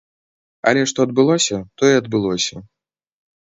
Але, што адбылося, тое адбылося.